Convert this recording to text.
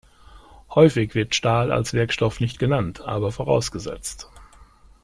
Häufig wird Stahl als Werkstoff nicht genannt, aber vorausgesetzt.